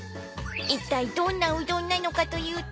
［いったいどんなうどんなのかというと］